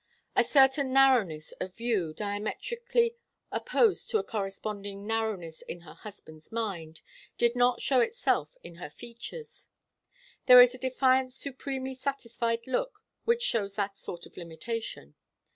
A certain narrowness of view, diametrically opposed to a corresponding narrowness in her husband's mind, did not show itself in her features. There is a defiant, supremely satisfied look which shows that sort of limitation.